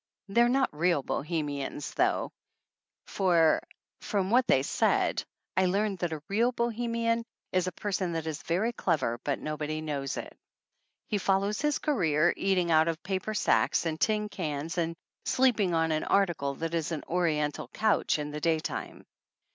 They are not real Bohemians though, for, from what they said, I learned that a real Bohemian is a person that is very clever, but nobody knows it. He "follows his career," eat ing out of paper sacks and tin cans and sleep ing on an article that is an oriental couch in the daytime.